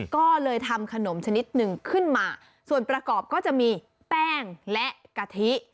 ก็เลยทำขนมชนิดหนึ่งขึ้นมาส่วนประกอบก็จะมีแป้งและกะทิ